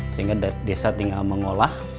sehingga desa tinggal mengolah